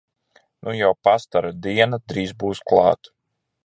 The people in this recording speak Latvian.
Nu jau pastara diena būs drīz klāt!